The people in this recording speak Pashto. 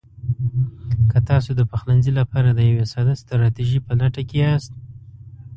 که تاسو د پخلنځي لپاره د یوې ساده ستراتیژۍ په لټه کې یاست: